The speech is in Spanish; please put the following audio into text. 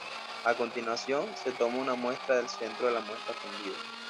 A continuación, se toma una muestra del centro de la muestra fundida.